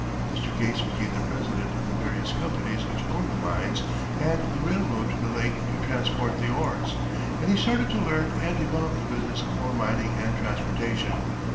Mr. Gates became the president of the various companies which owned the mines and the railroad to the lake to transport the ores, and he started to learn and develop the business of ore mining and transportation.